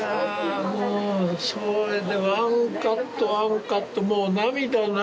もうそれでワンカットワンカットもう涙涙